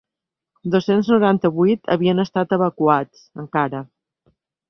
Dos-cents noranta-vuit havien estat evacuats, encara.